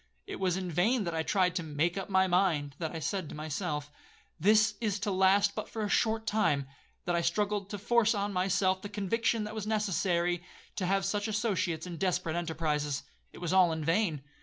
It was in vain that I tried to make up my mind,—that I said to myself, 'This is to last but for a short time,'—that I struggled to force on myself the conviction that it was necessary to have such associates in desperate enterprises;—it was all in vain.